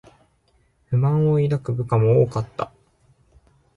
不満を抱く部下も多かった